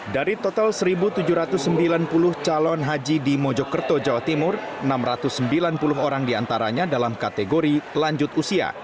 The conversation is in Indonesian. dari total satu tujuh ratus sembilan puluh calon haji di mojokerto jawa timur enam ratus sembilan puluh orang diantaranya dalam kategori lanjut usia